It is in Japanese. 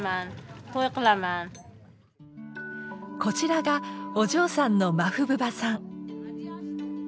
こちらがお嬢さんのマフブバさん。